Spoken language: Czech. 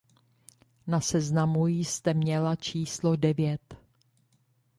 Na seznamu jste měla číslo devět.